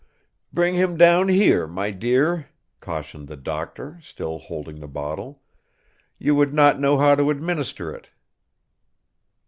"Bring him down here, my dear," cautioned the doctor, still holding the bottle. "You would not know how to administer it."